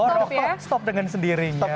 oh rokok stop dengan sendirinya